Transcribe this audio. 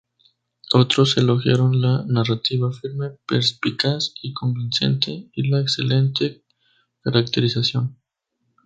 Otros elogiaron la narrativa firme, perspicaz y convincente y la excelente caracterización.